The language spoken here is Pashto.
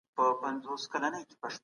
هغه يې یرغمل کړ.